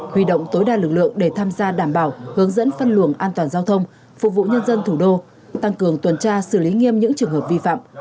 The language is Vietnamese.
huy động tối đa lực lượng để tham gia đảm bảo hướng dẫn phân luồng an toàn giao thông phục vụ nhân dân thủ đô tăng cường tuần tra xử lý nghiêm những trường hợp vi phạm